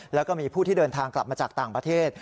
แล้วก็มีผู้ที่เดินทางกลับมาจากต่างประเทศ